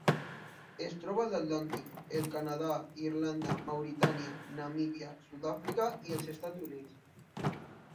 Es troba a l'Atlàntic: el Canadà, Irlanda, Mauritània, Namíbia, Sud-àfrica i els Estats Units.